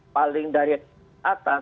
paling dari atas